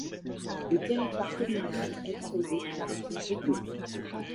Le territoire communal est arrosé par la rivière Rideau.